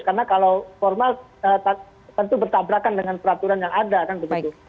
karena kalau formal tentu bertabrakan dengan peraturan yang ada kan begitu